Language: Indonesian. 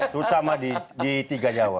terutama di tiga jawa